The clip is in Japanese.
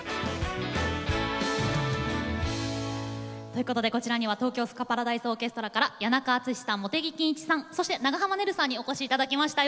ということでこちらには東京スカパラダイスオーケストラから谷中敦さん茂木欣一さんそして長濱ねるさんにお越し頂きました。